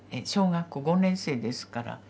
小学校５年生ですから。